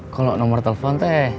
kalau nomor telepon tuh